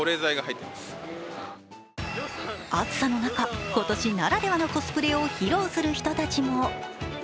暑さの中、今年ならではのコスプレを披露する人たちも。